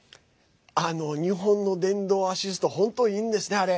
日本の電動アシスト本当いいんですね、あれ。